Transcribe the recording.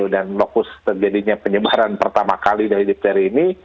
dan lokus terjadinya penyebaran pertama kali dari diktari ini